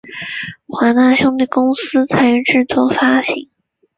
华纳兄弟公司参与制作与发行。